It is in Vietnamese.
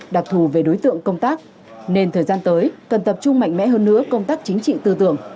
đặc thù về đối tượng công tác nên thời gian tới cần tập trung mạnh mẽ hơn nữa công tác chính trị tư tưởng